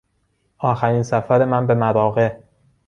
آخرین سفر من به مراغه